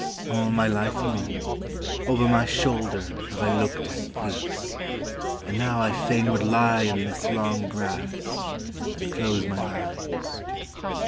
All my life long Over my shoulder have I looked at peace; And now I fain would lie in this long grass And close my eyes.